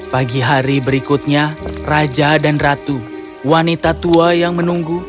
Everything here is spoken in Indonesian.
pagi hari berikutnya raja dan ratu wanita tua yang menunggu